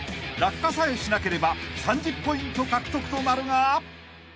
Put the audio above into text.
［落下さえしなければ３０ポイント獲得となるが］